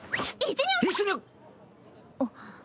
あっ。